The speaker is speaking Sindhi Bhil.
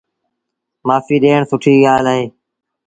مآڦيٚ ڏيڻ سُٺيٚ ڳآل اهي۔